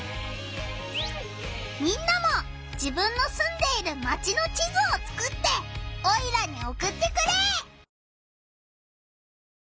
みんなも自分のすんでいるマチの地図をつくってオイラにおくってくれ！